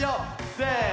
せの！